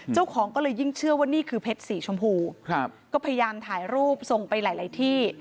เจ้าของก็เลยยิ่งเชื่อว่านี่คือเพชรสีชมพูก็พยายามถ่ายรูปส่งไปหลายที่